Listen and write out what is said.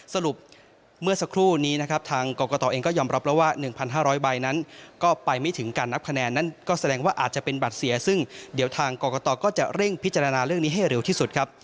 สรุปเมื่อสักครู่นี้นะครับทางกรกตเองก็ยอมรับแล้วว่า๑๕๐๐ใบนั้นก็ไปไม่ถึงการนับคะแนนนั้นก็แสดงว่าอาจจะเป็นบัตรเสียซึ่งเดี๋ยวทางกรกตก็จะเร่งพิจารณาเรื่องนี้ให้เร็วที่สุดครับ